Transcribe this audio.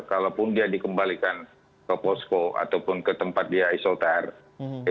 kalaupun dia dikembalikan ke posko ataupun ke tempat dia isoter